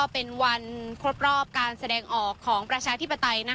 เป็นวันครบรอบการแสดงออกของประชาธิปไตย